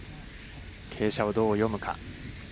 傾斜をどう読むか。